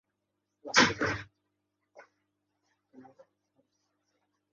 Shu vaqt, olisdan avtobus ovoz berdi.